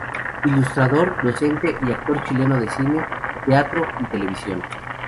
Ilustrador, docente y actor chileno de cine, teatro y televisión.